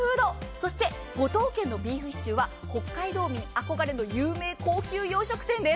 そして五島軒ビーフシチューは北海道の憧れ、有名高級洋食店です。